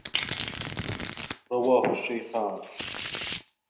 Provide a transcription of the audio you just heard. رواه الشيخان.